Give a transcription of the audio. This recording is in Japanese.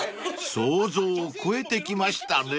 ［想像を超えてきましたね］